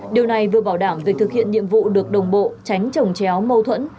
điều này vừa bảo đảm việc thực hiện nhiệm vụ được đồng bộ tránh trồng chéo mâu thuẫn